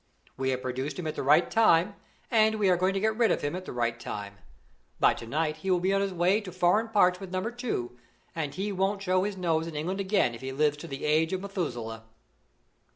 We have produced him at the right time, and we are going to get rid of him at the right time. By to night he will be on his way to foreign parts with Number Two, and he won't show his nose in England again if he lives to the age of Methuselah."